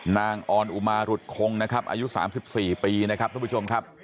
ออนอุมารุดคงนะครับอายุ๓๔ปีนะครับทุกผู้ชมครับ